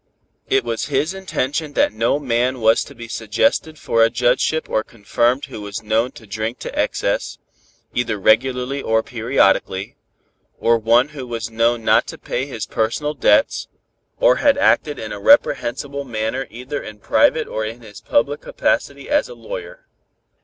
It was his intention that no man was to be suggested for a judgeship or confirmed who was known to drink to excess, either regularly or periodically, or one who was known not to pay his personal debts, or had acted in a reprehensible manner either in private or in his public capacity as a lawyer.